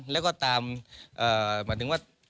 แล้วก็ตามหมายถึงว่า